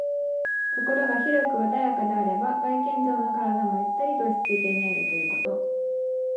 心が広く穏やかであれば、外見上の体もゆったりと落ち着いて見えるということ。